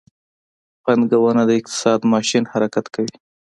پانګونه د اقتصاد ماشین حرکت کوي.